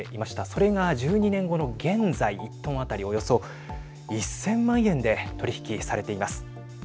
それが１２年後の現在１トン当たりおよそ１０００万円で取り引きされています。